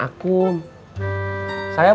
aku mau jalan sama akum